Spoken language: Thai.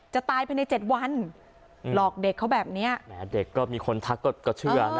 ตายภายในเจ็ดวันหลอกเด็กเขาแบบเนี้ยแหมเด็กก็มีคนทักก็เชื่อนะ